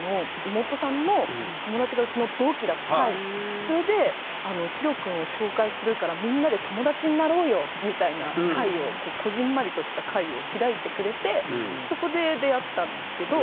たまたまそのそれでひろ君を紹介するから「みんなで友達になろうよ」みたいな会をこぢんまりとした会を開いてくれてそこで出会ったんですけど。